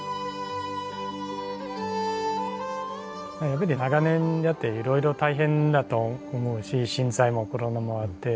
やっぱり長年やっていろいろ大変だと思うし震災もコロナもあって。